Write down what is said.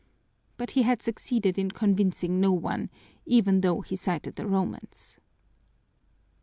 But he had succeeded in convincing no one, even though he cited the Romans.